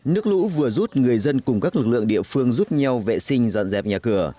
nước lũ vừa rút người dân cùng các lực lượng địa phương giúp nhau vệ sinh dọn dẹp nhà cửa